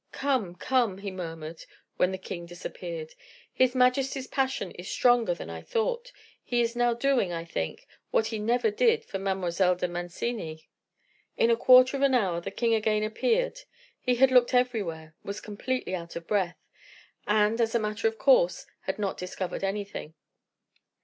"Come, come," he murmured, when the king disappeared, "his majesty's passion is stronger than I thought; he is now doing, I think, what he never did for Mademoiselle de Mancini." In a quarter of an hour the king again appeared: he had looked everywhere, was completely out of breath, and, as a matter of course, had not discovered anything.